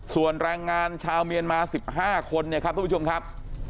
ส่วนแรงงานชาวเมียนมา๑๕คนเนี่ยครับทุกผู้ชมครับ